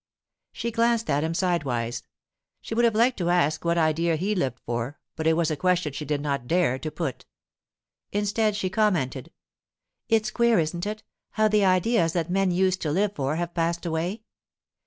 She glanced at him sidewise. She would have liked to ask what idea he lived for, but it was a question she did not dare to put. Instead she commented: 'It's queer, isn't it, how the ideas that men used to live for have passed away?